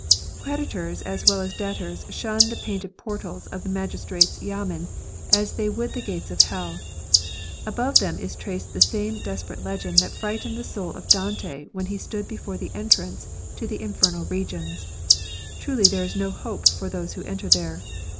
Creditors as well as debtors shun the painted portals of the magistrate's 3^amen* as they would the gates of hell. Above them is traced the same desperate legend that frightened the soul of Dante when he stood before the entrance to the infernal regions. Truly there is no hope for those who enter there.